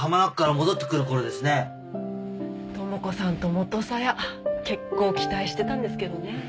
智子さんと元サヤ結構期待してたんですけどね。